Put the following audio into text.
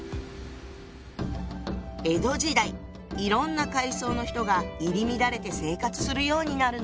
江戸時代いろんな階層の人が入り乱れて生活するようになるの。